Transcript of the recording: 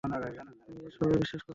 তুমি এসবে বিশ্বাস করো?